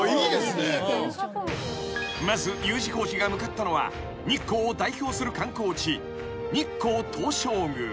［まずＵ字工事が向かったのは日光を代表する観光地］